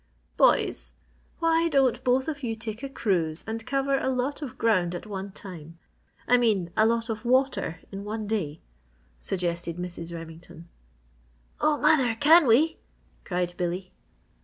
"Boys, why don't both of you take a cruise and cover a lot of ground at one time I mean a lot of water in one day!" suggested Mrs. Remington. "Oh, mother, can we?" cried Billy.